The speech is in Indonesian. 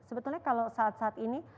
sebetulnya kalau saat saat ini